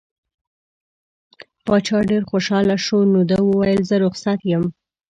باچا ډېر خوشحاله شو نو ده وویل زه رخصت یم.